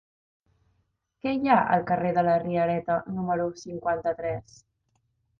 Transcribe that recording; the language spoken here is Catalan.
Què hi ha al carrer de la Riereta número cinquanta-tres?